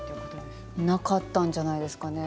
なかったんじゃないですかね。